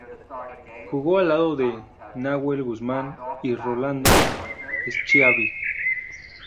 Jugó al lado de Nahuel Guzmán y Rolando Schiavi.